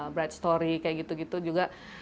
bright story kayak gitu gitu juga